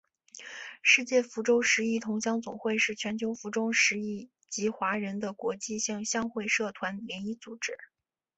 世界福州十邑同乡总会是全球福州十邑籍华人的国际性乡会社团联谊组织。